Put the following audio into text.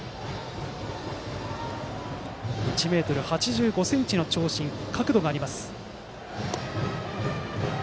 １ｍ８５ｃｍの長身で角度があります。